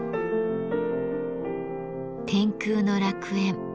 天空の楽園。